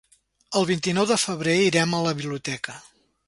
El vint-i-nou de febrer irem a la biblioteca.